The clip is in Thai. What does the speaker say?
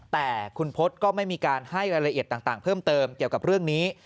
แต่คุณพศก็ไม่มีการให้รายละเอียดต่างเพิ่มเติมเกี่ยวกับเรื่องนี้